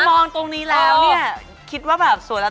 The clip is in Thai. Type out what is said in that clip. มองตรงนี้แล้วเนี่ยคิดว่าแบบสวยแล้ว